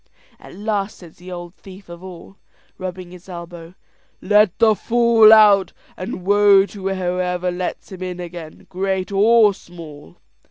At last says the ould thief of all, rubbing his elbow, "Let the fool out; and woe to whoever lets him in again, great or small."